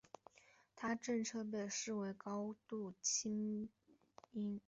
他的政策被视为高度亲英。